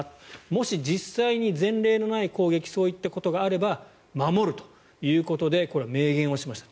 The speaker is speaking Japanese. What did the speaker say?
もし実際に前例のない攻撃そういったことがあれば守るということでこれは明言をしました。